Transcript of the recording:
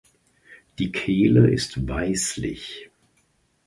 Die Kehle ist weißlich.